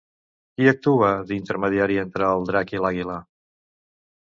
Qui actua d'intermediari entre el drac i l'Àguila?